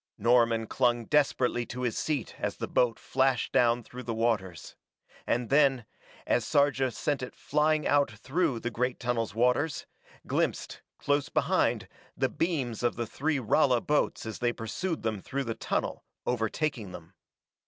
Norman clung desperately to his seat as the boat flashed down through the waters, and then, as Sarja sent it flying out through the great tunnel's waters, glimpsed, close behind, the beams of the three Rala boats as they pursued them through the tunnel, overtaking them.